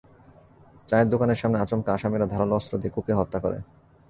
চায়ের দোকানের সামনে আচমকা আসামিরা ধারালো অস্ত্র দিয়ে কুপিয়ে হত্যা করে।